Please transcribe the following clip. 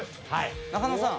中野さん